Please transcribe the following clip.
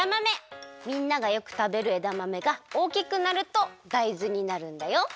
みんながよくたべるえだまめがおおきくなるとだいずになるんだよ。